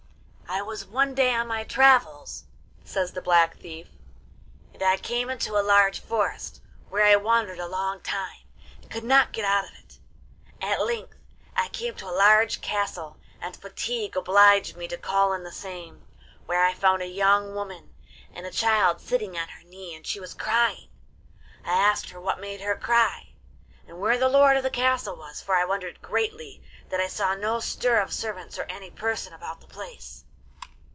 'I was one day on my travels,' says the Black Thief, 'and I came into a large forest, where I wandered a long time, and could not get out of it. At length I came to a large castle, and fatigue obliged me to call in the same, where I found a young woman and a child sitting on her knee, and she crying. I asked her what made her cry, and where the lord of the castle was, for I wondered greatly that I saw no stir of servants or any person about the place.